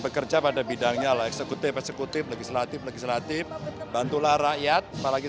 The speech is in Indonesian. bekerja pada bidangnya lah eksekutif eksekutif legislatif legislatif bantulah rakyat apalagi